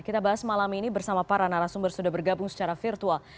kita bahas malam ini bersama para narasumber sudah bergabung secara virtual